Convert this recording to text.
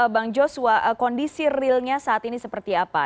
bang joshua kondisi realnya saat ini seperti apa